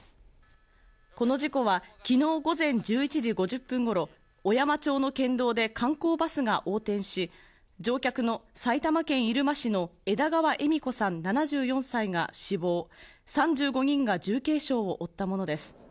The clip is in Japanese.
この事故は昨日午前１１時５０分頃、小山町の県道で観光バスが横転し、乗客の埼玉県入間市の枝川恵美子さん７４歳が死亡、３５人が重軽傷を負ったものです。